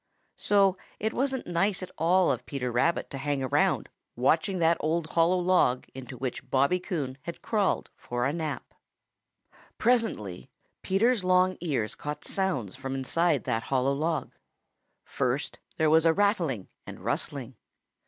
So it wasn't nice at all of Peter Rabbit to hang around watching that old hollow log into which Bobby Coon had crawled for a nap. Presently Peter's long ears caught sounds from inside that hollow log. First there was a rattling and rustling.